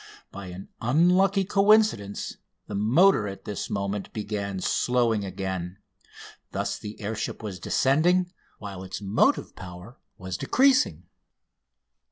By an unlucky coincidence the motor at this moment began slowing again. Thus the air ship was descending, while its motive power was decreasing.